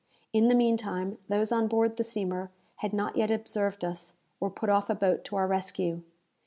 In the meantime, those on board the steamer had not yet observed us, or put off a boat to our rescue.